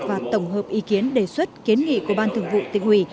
và tổng hợp ý kiến đề xuất kiến nghị của ban thường vụ tỉnh ủy